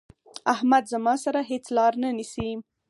احمد زما سره هيڅ لار نه نيسي.